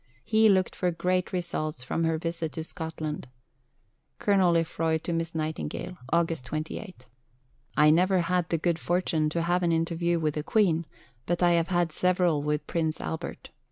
He looked for great results from her visit to Scotland: (Colonel Lefroy to Miss Nightingale.) August 28.... I never had the good fortune to have an interview with the Queen, but I have had several with Prince Albert.